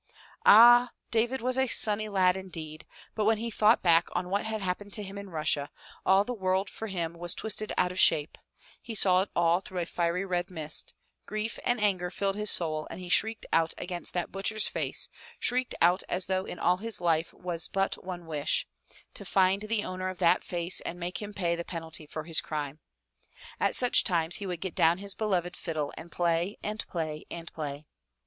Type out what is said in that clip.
Ah! David was a sunny lad indeed, but when he thought back on what had happened to him in Russia, all the world for him was twisted out of shape; he saw it all through a fiery red mist; grief and anger filled his soul and he shrieked out against that butcher's face, shrieked out as though in all his life was but one wish — to find the owner of that face and make him pay the penalty for his crime. At such times he would get down his beloved fiddle and play and play and play.